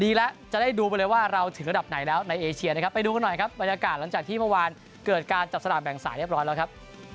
ดีแล้วจะได้ดูไปเลยว่าเราถึงระดับไหนแล้วในเอเชียนะครับไปดูกันหน่อยครับบรรยากาศหลังจากที่เมื่อวานเกิดการจับสลากแบ่งสายเรียบร้อยแล้วครับ